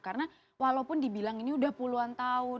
karena walaupun dibilang ini udah puluhan tahun